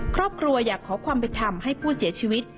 ครอบครัวอยากขอความผิดทำให้ผู้เสียชีวิต